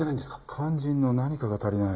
肝心の何かが足りない。